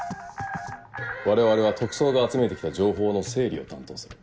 我々は特捜が集めて来た情報の整理を担当する。